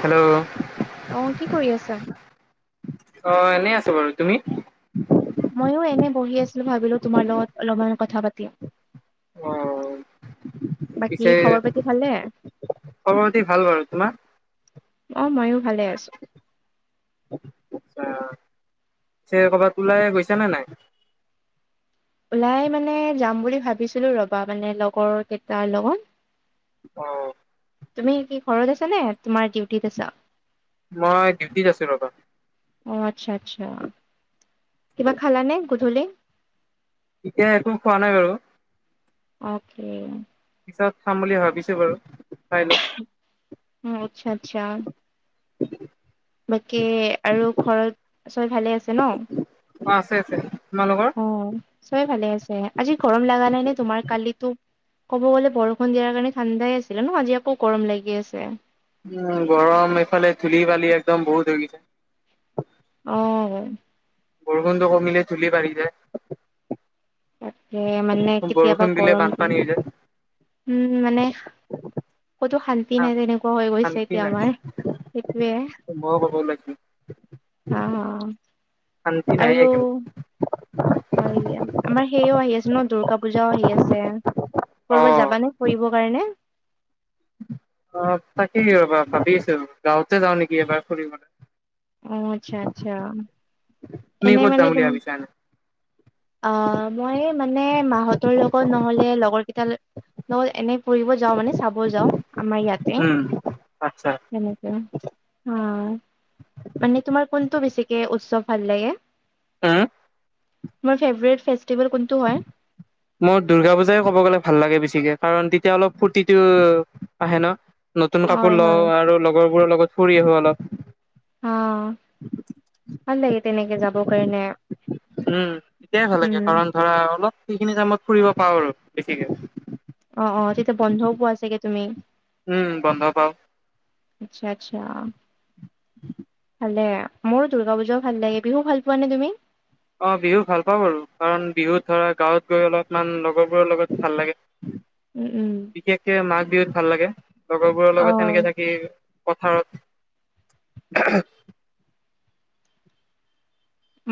Hello অ', কি কৰি আছা? অ', এনেই আছোঁ বাৰু তুমি? ময়োঁ এনে বহি আছিলো, ভাবিলো তোমাৰ লগত অলপমান কথা পাতি অ', বাকী পিছে খবৰ পাতি ভালে? সবাপতে [inaudible] [unintelligible] ভাল বাৰু তোমাৰ অঁ ময়ো ভালে আছোঁ। আ [inaudible] ক'ৰবাত ওলাই গৈছ নে নাই? ওলাই মানে যাম বুলি ভাবিছিলোঁ, ৰবা মানে লগৰ কেইটাৰ লগত অ', তুমি কি ঘৰত আছা নে? তোমাৰ ডিউটিত আছা? মই ডিউটিত আছোঁ ৰবা। অ', আচ্ছা আচ্ছা, কিবা খালা নাই গধূলি? এতিয়া একো খোৱা নাই বাৰু। অকে [inaudible] পিছত খাম বুলি ভাবিছোঁ বাৰু চাই লওঁ। উ, আচ্ছা আচ্ছা। হয় বাকী আৰু ঘৰত চব ভালে আছে ন'? অ আছে আছে। তোমালোকৰ? অ চবে ভালে আছে। আজি গৰম লগা নাই নে তোমাৰ কালিতো ক'ব গ'লে বৰষুণ দিয়াৰ কাৰণে ঠাণ্ডাই আছিলে ন' আজি আকৌ গৰম লাগি আছে। উম, গৰম এইফালে ধূলি বালি একদম বহুত হৈ গৈছে। অ'। বৰষুণটো কমিলে ধুলি বাঢ়ি যায়। তাকে মানে বৰষুণ কেতিয়াবা দিলে গৰম দি বানপানী হৈ যায় উম, মানে ক'তো শান্তি তি নাই তেনেকুৱা হৈ গৈছে শান্তি এতিয়া নাই আমাৰ সেইটোয়ে। মইও ক'ব ওলাইছিলো অ', অ'। শান্তি নায়ে একেবাৰে। হয় দিয়া। আমাৰ সেয়াও আহি আছে ন' দুৰ্গা পূজাও আহি আছে। ক'ৰবাত অ যাবা নে ফুৰিবৰ কাৰণে? অ' তাকেই ৰবা ভাবি আছোঁ, গাওঁতে যাওঁ নেকি এবাৰ ফুৰিবলৈ। অ' আচ্ছা আচ্ছা। তুমি এনে ক'ত মানে যাম বুলি তুম ভাবিছা এনে অ' মই মানে মাহঁতৰ লগত নহ'লে লগৰকেইটাৰ লগত এনে ফুৰিব যাওঁ মানে চাব যাওঁ আমাৰ ইয়াতে উম আচ্ছা তেনে আ, মানে তোমাৰ কোনটো বেছিকে উৎসৱ ভাল লাগে? হু মোৰ ফেভৰেট ফেষ্টিভেল কোনটো হয়? মোৰ দুৰ্গা পূজাই ক'ব গ'লে ভাল লাগে বেছিকে কাৰণ তেতিয়া অলপ ফূৰ্তিটো আহে ন', নতুন কাপোৰ হয় হয় লওঁ আৰু লগৰবোৰৰ লগত ফুৰি আহো অলপ। অ' ভাল লাগে তেনেকে যাব কাৰনে। উম, তেতিয়াই ভাল লাগে কাৰণ ধৰা অলপ সেইখিনি টাইমত ফুৰিব পাওঁ আৰু বেছিকে। অ', অ' তেতিয়া বন্ধও পোৱা চাগে তুমি। উম, বন্ধ পাওঁ। আচ্ছা আচ্ছা। [inaudible] ভালে, মোৰো দুৰ্গা পূজাও ভাল লাগে। বিহু ভাল পোৱানে তুমি? অ' বিহু ভাল পাওঁ বাৰু কাৰণ বিহুত ধৰা গাঁৱত গৈ অলপমান লগৰবোৰৰ লগত ভাল লাগে। উম, উম। বিশেষকে মাঘ বিহুত ভাল লাগে, লগৰবোৰৰ অ লগত সেনেকে থাকি পথাৰত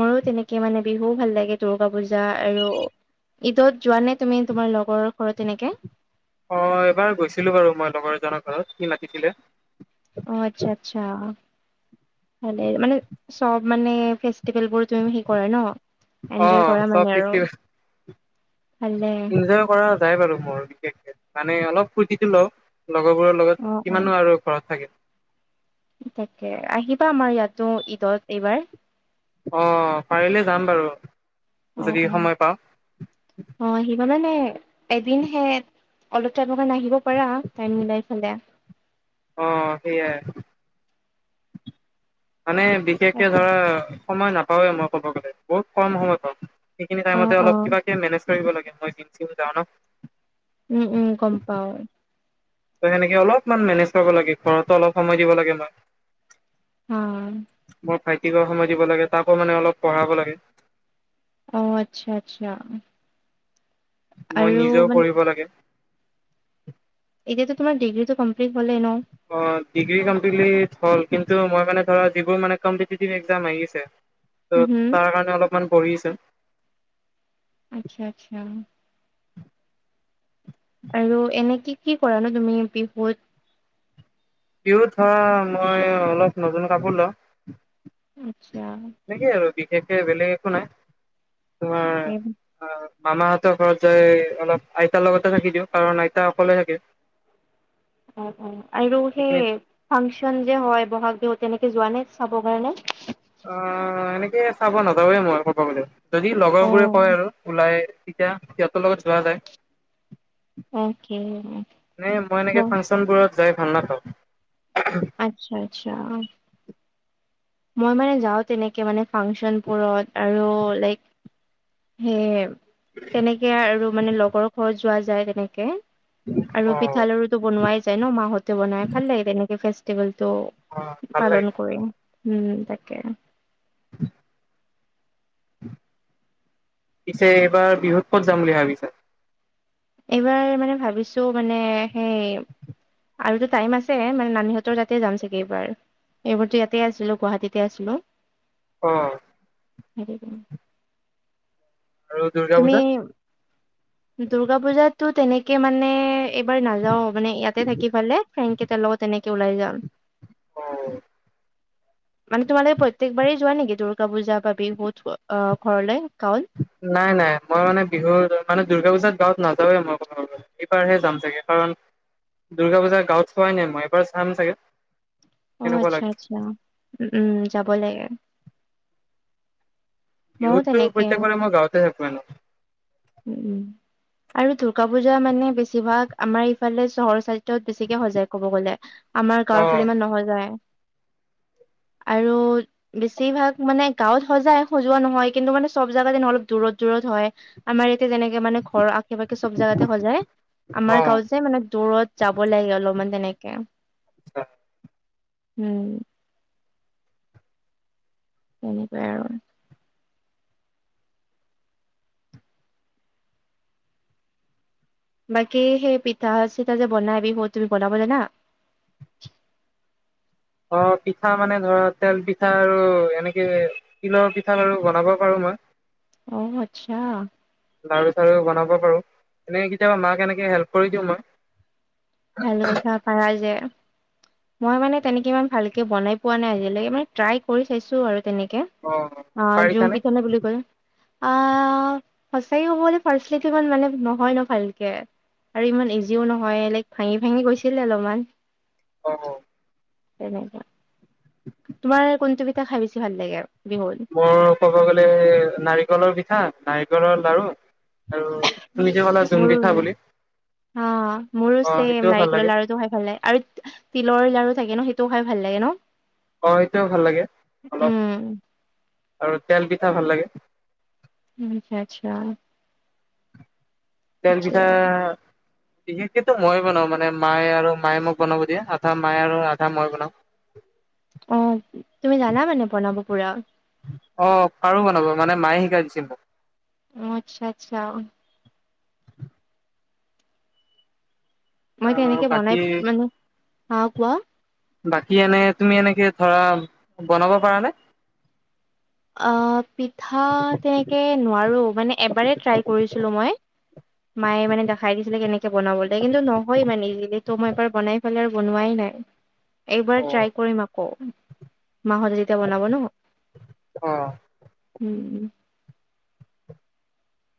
মোৰো তেনেকে মানে বিহুও ভাল লাগে, দূৰ্গা পূজা আৰু ঈদত যোৱানে তুমি তোমাৰ লগৰৰ ঘৰত এনেকে? অ' এবাৰ গৈছিলোঁ বাৰু মই লগৰ এজনৰ ঘৰত, সি মাতিছিলে। অ' আচ্ছা আচ্ছা। মানে চব মানে ফেচ টিভেলবোৰ তুমি সে কৰা ন' অ এনজয় কৰা চব মানে আৰু। ফেষ্টিভেল ভালে ইনজয় কৰা যায় বাৰু মোৰ বিশেষকে, মানে অলপ ফূৰ্তিটো লওঁ লগৰবোৰৰ লগত অ অ কিমাননো আৰু ঘৰত থাকে। তাকে, আহিবা আমাৰ ইয়াতো ঈদত এইবাৰ। অ' পাৰিলে যাম বাৰু অ যদি অ সময় পাওঁ। অ' আহিবা মানে এদিন হে অলপ টাইমৰ কাৰণে আহিব পাৰা, টাইম মিলাই ফালে। অ' সেয়াই। মানে বিশেষকে তাকে ধৰা সময় নাপাওৱে মই ক'ব গ'লে, বহুত কম সময় পাওঁ। সেইখিনি অ টাইমতে অ অলপ কিবাকে মেনেজ কৰিব লাগে, মই ডিউটিও যাওঁ ন'। উম, উম, গম পাওঁ। ত' সেনেকে অলপমান মেনেজ কৰিব লাগে, ঘৰতো অলপ সময় দিব লাগে মই। অ', মই ভাইটিকো সময় দিব লাগে, তাকো মানে অলপ পঢ়াব লাগে। অ', আচ্ছা - আচ্ছা। মই আৰু নিজেও মানে পঢ়িব লাগে। এতিয়া তোমাৰ ডিগ্ৰীটো কমপ্লিট হলেই ন'? অ', ডিগ্ৰী কমপ্লিট হল, কিন্তু মই মানে ধৰা যিবোৰ মানে কম্পিটিটিভ এক্সাম আহি আছে [inaudible] ত' তাৰ কাৰণে অলপমান পঢ়ি আছোঁ। আচ্ছা - আচ্ছা। আৰু এনে কি কি কৰা নো তুমি বিহুত? বিহুত ধৰ মই অলপ নতুন কাপোৰ লওঁ। আচ্ছা সেনেকে আৰু বিশেষকে বেলেগ একো নাই তোমাৰ অ', মামাহঁতৰ ঘৰত যাই অলপ আইতাৰ লগতে থাকি দিওঁ কাৰণ আইতা অকলে থাকে। অ', অ', আৰু সেই সেইখিনিত ফাংচন যে হয়, ব'হাগ বিহুত তেনেকে যোৱা নে চাবৰ কাৰণে? অ', এনেকে চাব নাযাওঁৱে মই ক'ব গলে, যদি অ লগৰবোৰে কয় আৰু ওলাই তিতিয়া সিহঁতৰ লগত যোৱা যাই। অকে এনে মই ম এনেকে ফাংচনবোৰত যাই ভাল নাপাওঁ। আচ্ছা - আচ্ছা। মই মানে যাওঁ তেনেকে মানে ফাংচনবোৰত আৰু লাইক সেই তেনেকে আৰু মানে লগৰ ঘৰত যোৱা যায় তেনেকে আৰু পিঠা অ', লাড়ু বনোৱাই যায় ন' মা হঁতে বনাই ভাল লাগে তেনেকে ফেষ্টিভেলটো, অ', ভাল পালন লাগে। কৰিম। উম, তাকে পিছে এইবাৰ বিহুত ক'ত যাম বুলি ভাবিছা? এইবাৰ মানে ভাবিছোঁ মানে সেই আৰুতো টাইম আছে মানে নানীহঁতৰ তাতে যাম চাগে এইবাৰ। এইবোৰতো ইয়াতে আছিলোঁ গুৱাহাটীতে আছিলোঁ। অ', সেইটোকাৰণে আৰু দুৰ্গা তুমি পূজাত? দুৰ্গা পুজাতো তেনেকে মানে এইবাৰ নাযাওঁ মানে ইয়াতে থাকি ফালে ফ্ৰেনকেইটাৰ লগত এনেকে ওলাই যাম। অ', মানে তোমালোকে প্ৰত্যেকবাৰেই যোৱা নেকি দুৰ্গা পূজা বা বিহুত অ, ঘৰলৈ গাঁৱত? নাই - নাই, মই মানে বিহুৰ মানে দুৰ্গা পূজাত গাঁৱত নাযাওৱে মই কব গলে। এইবাৰহে যাম চাগে কাৰণ দুৰ্গা পূজা গাঁৱত চোৱাই নাই মই এইবাৰ চাম চাগে। অ', কেনেকুৱা আচ্ছা লাগে। - আচ্ছা উম, যাব লাগে। ময়ো বিহুতটো তেনেকে প্ৰত্যেক বাৰে মই গাঁৱতে থাকো এনেই। উ, উ, আৰু দুৰ্গা পূজা মানে বেছিভাগ আমাৰ ইফালে চহৰ চাই ত' বেছিকে সজায় ক'ব গ'লে, আমাৰ গাঁৱৰ ফালে অ'। ইমান নসজায়। আৰু বেছিভাগ মানে গাঁৱত সজাই, সজোৱা নহয় কিন্তু মানে চব জাগাতে নহয় অলপ দূৰত দূৰত হয়। আমাৰ ইয়াতে যেনেকে মানে ঘৰৰ আশে পাশে চব জাগাতে সজায়, আমাৰ অ' গাঁৱত যে মানে দূৰত যাব লাগে অলপমান তেনেকে উম, তেনেকুৱাই আৰু বাকী সেই পিঠা চিঠা যে বনাই বিহুত, তুমি বনাব জানা? অ', পিঠা মানে ধৰা তেল পিঠা আৰু এনেকে তিলৰ পিঠা লাড়ু বনাব পাৰো মই। অ, আচ্ছা। লাৰু-চাৰু বনাব পাৰো, এনে কেতিয়াবা মাক এনেকে হেল্প কৰি দিওঁ মই। ভাল কথা পাৰা যে। মই মানে তেনেকে ইমান ভালকে বনাই পোৱা নাই আজিলৈকে মানে ট্ৰাই কৰি চাইছো আৰু তেনেকে। অ, জুম পিঠা নে বুলি কয়। আহ সঁচাকে হবলৈ ফাৰ্ষ্ট [unintelligible] মানে নহয় ন ভালকে। আৰু ইমান ইজিও নহয় লাইক ভাঙি-ভাঙি গৈছিলে অলপমান। অ। তেনেকা তোমাৰ কোনটো পিঠা খাই বেছি ভাল লাগে বিহুত? মোৰ ক'ব গ'লে নাৰিকলৰ পিঠা নাৰিকলৰ লাৰু আৰু তু নিজে মোৰো অ মোৰো অ চেম সেইটোও ভাল নাৰিকলৰ লাগে লাৰুটো খাই ভাল লাগে আৰু তিলৰ লাৰু থাকে ন সেইটোও খাই ভাল লাগে ন? অ সেইটোও ভাল লাগে অলপ উম। আৰু তেল পিঠা ভাল লাগে। আচ্ছা-আচ্ছা। তেল পিঠা বিশেষকেতো মই বনাওঁ মানে মায়ে আৰু মায়ে মোক বনাব দিয়ে আধা মায়ে আৰু আধা মই বনাওঁ। অ, তুমি জানা মানে বনাব পুৰা। অ, পাৰো বনাব মানে মায়ে শিকাই দিছিল মোক। অ, আচ্ছা-আচ্ছা। মই আহ তেনেকে বাকী বনাই মানে, হা কোৱা? বাকী এনে তুমি এনেকে ধৰা বনাব পাৰানে? অ, পিঠা তেনেকে নোৱাৰো মানে এবাৰে ট্ৰাই কৰিছিলো মই। মায়ে মানে দেখাই দিছিলে কেনেকে বনাব লাগে কিন্তু নহয় মানে তো মই এবাৰ বনাই ফেলে আৰু বনোৱাই নাই। এইবাৰ অ ট্ৰাই কৰিম আকৌ মাহঁত যেতিয়া বনাব ন। অ। উম, উম।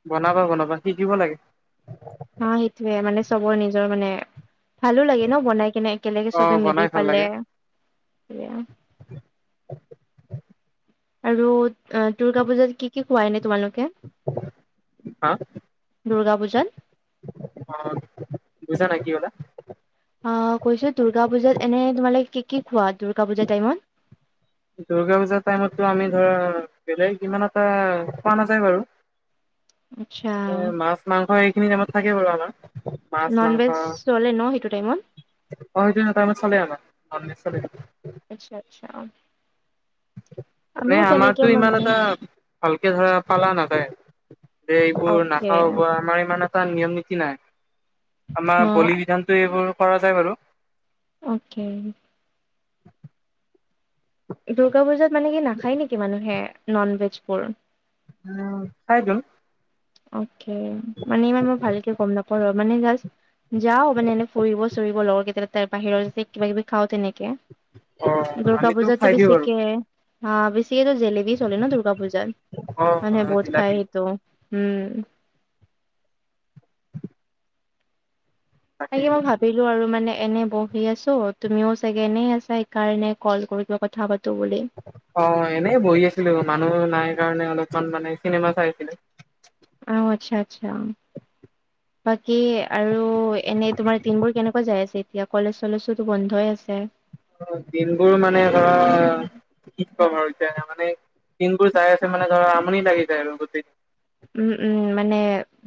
বনাবা-বনাবা, শিকিব লাগে। অ, সেইটোয়ে মানে চবৰে নিজৰ মানে ভালো লাগে ন বনাই কিনে একেলগে অ চবে মিলি বনাই ভাল পালে। লাগে আৰু অ দুৰ্গা পূজাত কি কি খোৱা এনে তোমালোকে? হা? দুৰ্গা পূজাত। অ, বুজা নাই কি কলা? অ, কৈছো দুৰ্গা পূজাত এনে তোমালোক কি কি খোৱা দুৰ্গা পূজাৰ টাইমত? দুৰ্গা পুজাৰ টাইমততো আমি ধৰা বেলেগ ইমান এটা কোৱা নাযায় বাৰু। আচ্ছা এ মাছ-মাংস এইখিনি টাইমত থাকে বাৰু আমাৰ। মাছ নন মাংস ভেজ চলে ন সেইটো টাইমত? অ, সেইটো টাইমত চলে আমাৰ নন ভেজ চলে। আচ্ছা, আচ্ছা অ। এনে আমাৰতো ইমান মানে এটা ভালকে ধৰা পালা নাযায় যে এইবোৰ অকে নাখাও ব আমাৰ ইমান এটা নিয়ম-নীতি নাই, আমাৰ অ' বলি বিধানতো এইবোৰ কৰা যায় বাৰু। অ'কে। দুৰ্গা পূজাত মানে কি নাখায় নেকি মানুহে নন ভেজবোৰ? উম, খাইতো। অ'কে, মানে ইমান মই ভালকে গম নাপাওঁ মানে জা যাও মানে এনেই ফুৰিব-চুৰিব লগৰ [unintelligible] বাহিৰত যে কিবা কিবি খাওঁ তেনেকে। অ দুূৰ্গা আমিতো পূজাততো খাই দিওঁ বাৰু বেছিকে হা বেছিকো জেলেবি চলে ন দুৰ্গা পূজাত। অ মানে বহুত জিলাপি খায় আহিছোঁ। উম্। তাকে মই ভাবিলোঁ আৰু মানে এনে ব ভ আছোঁ, তুমিও চাগে এনেই আছা, সেইকাৰণে কল কৰোঁ, কথা পাতো বুলি অ', এনে বহি আছিলোঁ। মানুহ নাই কাৰণে অলপমান মানে চিনেমা চাই আছিলোঁ। অ', আচ্ছা আচ্ছা। বাকী আৰু এনে তোমাৰ দিনবোৰ কেনেকুৱা যাই আছে। এতিয়া কলেজ চলেজটোটো বন্ধই আছে। অ', দিনবোৰ মানে ধৰা, কি কম আৰু। এতিয়া মানে দিনবোৰ যাই আছে মানে ধৰা, আমনি লাগি যায় আৰু গোটেই উম্ উম্, মানে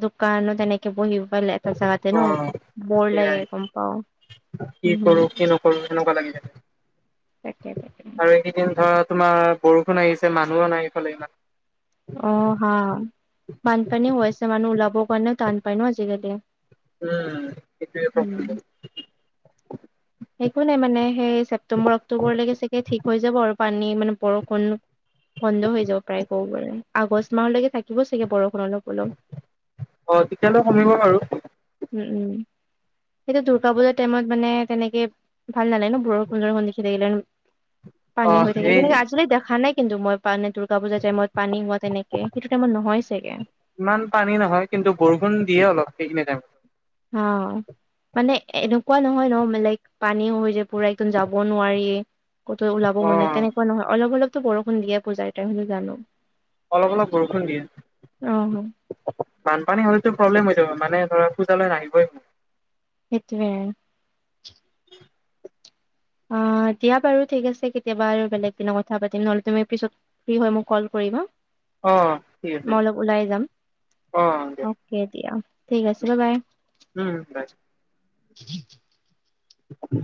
দোকান তেনেকে- তে বহি পালে এটা জেগাতে ন। অ বৰ লাগে সেয়াই গম পাওঁ হম হম। কৰোঁ তেনেকুৱা লাগি যায়। তাকেহে। আৰু এইকেইদিন ধৰা তোমাৰ বৰষুণ আহিছে। মানুহো নাই ইফালে সিফালে ইমান। অ', হা বানপানী হৈ আছে। মানুহ ওলাবৰ কাৰণে টান পায় নো আজিকালি। উম্, সেইটোয়ে উম প্ৰ একো নাই মানে, সেই ছেপ্টেম্বৰ অক্টোবৰলৈকে চাগে ঠিক হৈ যাব আৰু পানী মানে বৰষুণ। বন্ধ হৈ যাব পাৰে, ক'ব আগষ্ট মাহলৈকে থাকিব চাগে বৰষুণ অলপ অলপ। অ', তেতিয়ালৈ কমিব বাৰু। উম্, উম্, সেইটো দুৰ্গা পূজাৰ টাইমত মানে তেনেকে- ভাল নালাগে ন, বৰষুণ খন দেখি থাকিলে। অ পানী হৈ থাকিলে সেই তেনেকে, আজিলে দেখা নাই কিন্তু মই। মানে দুৰ্গা পুজা টাইমত পানী হোৱা তেনেকে, সেইটো টাইমত নহয় চাগে। ইমান পানী নহয়, কিন্তু বৰষুণ দিয়ে অলপ সেইখিনি টাইমত। অ', মানে এনেকুৱা নহয় ন, বেলেগ পানী হৈ যায় পুৰা, একদম যাব নোৱাৰি। কতো ওলাব অ মন নাই। তেনেকুৱা নহয়, অলপ অলপতো বৰষুণ দিয়ে পূজা টাইমট, সেইটো জানোঁ। অলপ অলপ বৰষুণ দিয়ে। বানপানী হ'লেতো প্ৰব্লেম হৈ যাব, মানে ধৰা পূজালৈ নাহিবই। সেইটোৱে। অ', দিয়া বাৰু। ঠিক আছে কেতিয়াবা আৰু বেলেগ দিনা কথা পাতিম নহ'লে, তুমি পিছত- ফ্ৰী হয় মোক কল কৰিবা। অ', ঠিক আছে। মই অলপ ওলাই যাম। অ দিয়া অকে দিয়া, ঠিক আছে বাই বাই। উম বাই উম